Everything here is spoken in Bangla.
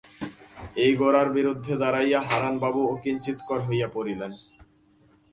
এই গোরার বিরুদ্ধে দাঁড়াইয়া হারানবাবু অকিঞ্চিৎকর হইয়া পড়িলেন।